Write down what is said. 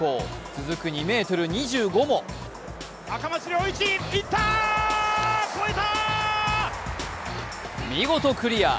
続く２ｍ２５も見事クリア。